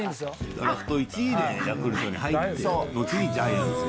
ドラフト１位でヤクルトに入って、ジャイアンツに。